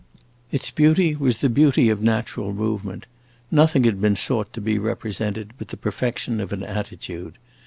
Its beauty was the beauty of natural movement; nothing had been sought to be represented but the perfection of an attitude.